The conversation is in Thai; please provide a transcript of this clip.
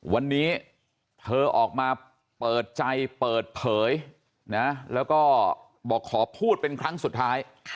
วันนี้เธอออกมาเปิดใจเปิดเผยนะแล้วก็บอกขอพูดเป็นครั้งสุดท้าย